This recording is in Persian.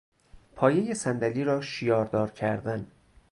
پایهی صندلی را شیاردار کردن